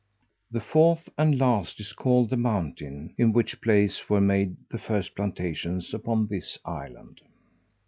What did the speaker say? The fourth and last is called the Mountain, in which place were made the first plantations upon this island.